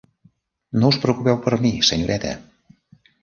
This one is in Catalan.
No us preocupeu per mi, senyoreta.